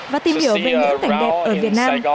và tìm hiểu về những cảnh đẹp ở việt nam